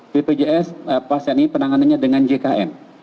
bpjs pasien ini penanganannya dengan jkn